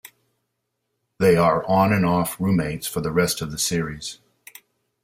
They are on-and-off roommates for the rest of the series.